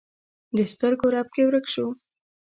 د سترګو رپ کې ورک شو